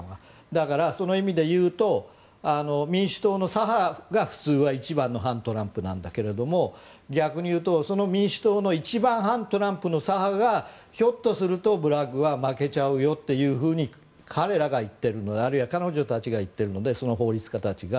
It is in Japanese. だから、その意味で言うと民主党の左派が普通は一番の反トランプなんだけど逆に言うと、その民主党の一番反トランプの左派がひょっとすると、ブラッグは負けちゃうよというふうに彼らが言っているあるいは彼女たちが言っているのでその法律家たちが。